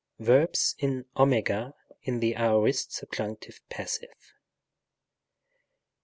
Verbs in @, in the aorist, subjunctive, passive.